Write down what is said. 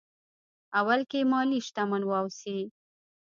اول کې مالي شتمن واوسي.